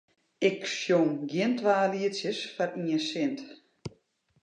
Ik sjong gjin twa lietsjes foar ien sint.